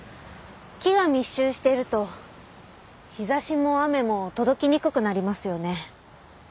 木が密集していると日差しも雨も届きにくくなりますよね。